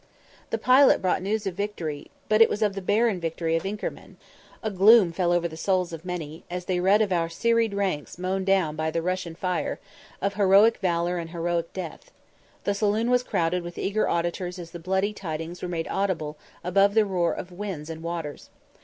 The pilot brought the news of victory but it was of the barren victory of Inkermann. A gloom fell over the souls of many, as they read of our serried ranks mown down by the Russian fire, of heroic valour and heroic death. The saloon was crowded with eager auditors as the bloody tidings were made audible above the roar of winds and waters.